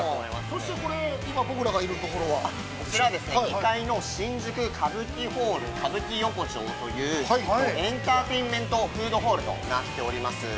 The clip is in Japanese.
◆そしてこれ今僕らがいるところは？◆こちらは２階の新宿カブキｈａｌｌ歌舞伎横丁というエンターテインメントフードホールとなっております。